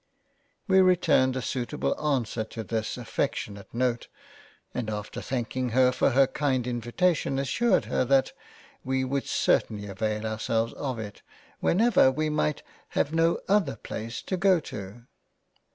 We returned a suitable answer to this affectionate Note and after thanking her for her kind invitation assured her that we would certainly avail ourselves of it, whenever we might have no other place to go to.